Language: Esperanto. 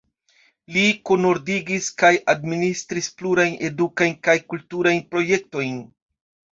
Li kunordigis kaj administris plurajn edukajn kaj kulturajn projektojn.